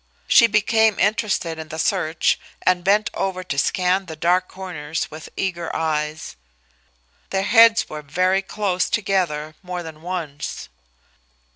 She became interested in the search and bent over to scan the dark corners with eager eyes. Their heads were very close together more than once.